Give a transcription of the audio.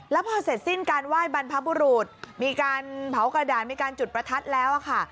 แล้วพอเสร็จสิ้นการไหว้บรรพบุรุษมีการเผากระดาษมีการจุดประทัดแล้วค่ะ